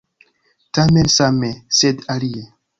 Tamen same, sed alie!